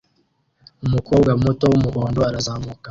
Umukobwa muto wumuhondo arazamuka